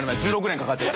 １６年かかった。